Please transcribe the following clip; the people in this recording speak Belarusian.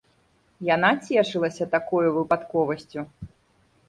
Яна цешылася такою выпадковасцю.